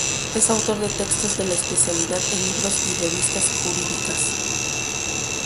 Es autor de textos de la especialidad en libros y revistas jurídicas.